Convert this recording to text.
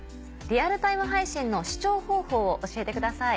リアルタイム配信の視聴方法を教えてください。